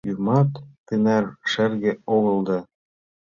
Йӱымат тынар шерге огыл да